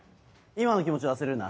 今の気持ちを忘れるな。